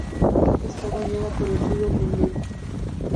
Está bañada por el río Mondego.